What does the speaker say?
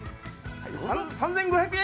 ３５００円！